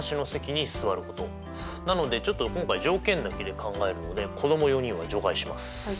なのでちょっと今回条件だけで考えるので子ども４人は除外します。